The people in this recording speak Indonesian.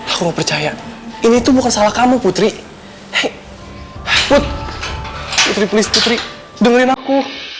aku percaya ini tuh bukan salah kamu putri hai putri putri dengerin aku